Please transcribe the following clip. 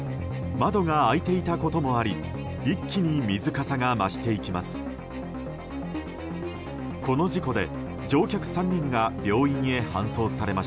窓が開いていたこともあり一気に水かさが増していきます。